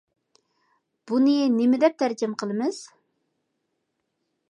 بۇنى نېمە دەپ تەرجىمە قىلىمىز؟